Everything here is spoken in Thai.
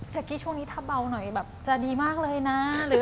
กี้ช่วงนี้ถ้าเบาหน่อยแบบจะดีมากเลยนะ